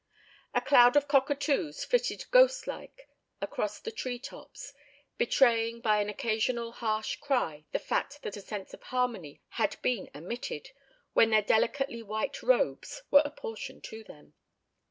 A cloud of cockatoos flitted ghost like across the tree tops, betraying by an occasional harsh cry the fact that a sense of harmony had been omitted, when their delicately white robes were apportioned to them.